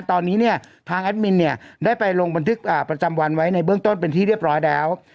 ตอนนี้เนี่ยทางแอดมินเนี่ยได้ไปลงบันทึกประจำวันไว้ในเบื้องต้นเป็นที่เรียบร้อยแล้ว